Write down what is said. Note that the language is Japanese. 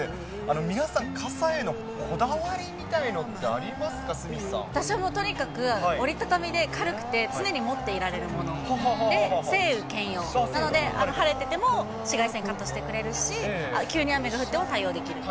皆さん、傘へのこだわりみたいのってありますか、私はもうとにかく、折り畳みで軽くて、常に持っていられるもので、晴雨兼用なので晴れてても紫外線カットしてくれるし、急に雨が降っても対応できる。